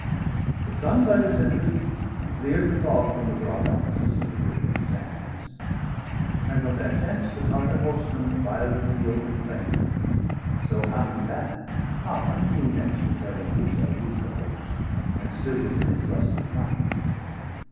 The sun by this had risen, and clear'd the fog From the broad Oxus and the glittering sands. 105 And from their tents the Tartar horsemen filed Into the open plain; so Haman° bade °107 Haman, who next to Peran Wisa ruled The host, and still was in his lusty prime.